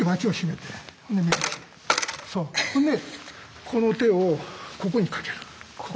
ほんでこの手をここにかける。